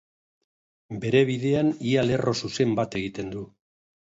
Bere bidean ia lerro zuzen bat egiten du.